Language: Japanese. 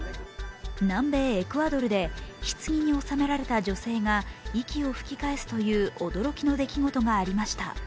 南米エクアドルでひつぎに納められた女性が息を吹き返すという驚きの出来事がありました。